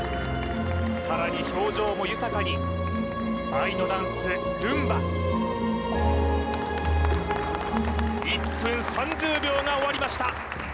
さらに表情も豊かに愛のダンスルンバ１分３０秒が終わりました